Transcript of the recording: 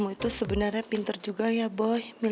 ya bi kasih bi